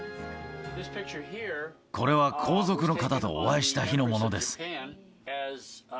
これは皇族の方とお会いした日のものです。